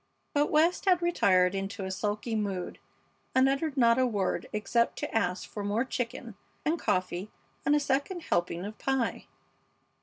But West had retired into a sulky mood and uttered not a word except to ask for more chicken and coffee and a second helping of pie.